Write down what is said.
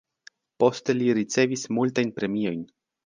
Poste li ricevis multajn premiojn.